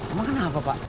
emang kenapa pak